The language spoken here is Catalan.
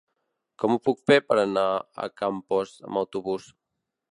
Com ho puc fer per anar a Campos amb autobús?